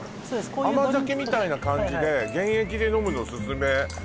甘酒みたいな感じで原液で飲むのオススメ